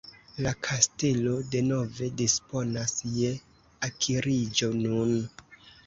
La kastelo denove disponas je akiriĝo nun.